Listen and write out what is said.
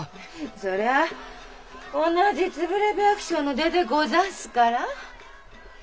そりゃあ同じつぶれ百姓の出でござんすから。